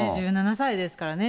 １７歳ですからね。